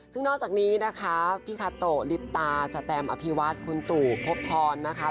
ซึ่งนอกจากนี้นะคะพี่คาโตะลิปตาสแตมอภิวัตคุณตู่พบทรนะคะ